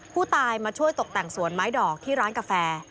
ผู้ตายมาช่วยตกแต่งสวนไม้ดอกที่ร้านกาแฟ